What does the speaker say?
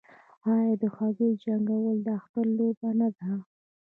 آیا د هګیو جنګول د اختر لوبه نه ده؟